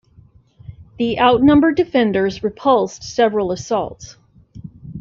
The outnumbered defenders repulsed several assaults.